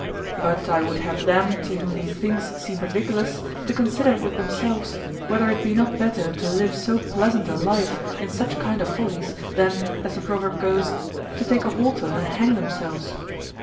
But I would have them to whom these things seem ridiculous to consider with themselves whether it be not better to live so pleasant a life in such kind of follies, than, as the proverb goes, "to take a halter and hang themselves."